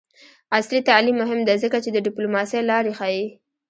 عصري تعلیم مهم دی ځکه چې د ډیپلوماسۍ لارې ښيي.